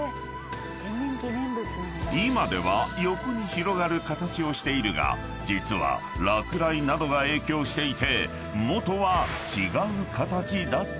［今では横に広がる形をしているが実は落雷などが影響していて］